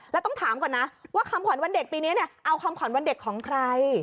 แล้วต้องถามก่อนนะว่าคำขวัญวันเด็กปีนี้เนี่ยเอาคำขวัญวันเด็กของใคร